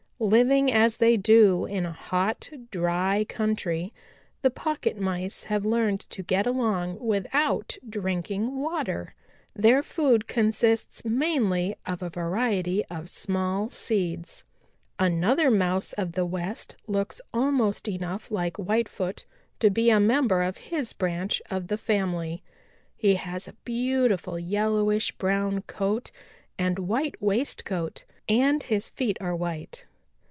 Living as they do in a hot, dry country, the Pocket Mice have learned to get along without drinking water. Their food consists mainly of a variety of small seeds. "Another Mouse of the West looks almost enough like Whitefoot to be a member of his branch of the family. He has a beautiful yellowish brown coat and white waistcoat, and his feet are white.